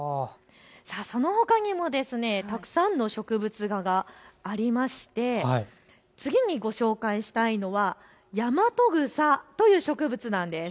そのほかにもたくさんの植物画がありまして次にご紹介したいのはヤマトグサという植物なんです。